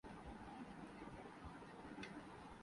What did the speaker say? وہ پس پردہ چلاگیا۔